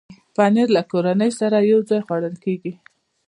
پنېر له کورنۍ سره یو ځای خوړل کېږي.